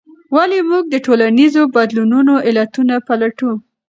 ولې موږ د ټولنیزو بدلونونو علتونه پلټو؟